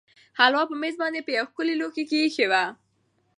هلوا په مېز باندې په یوه ښکلي لوښي کې ایښې وه.